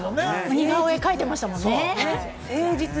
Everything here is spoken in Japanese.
似顔絵、描いていましたもんね。